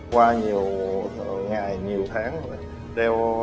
qua nhiều ngày nhiều tháng rồi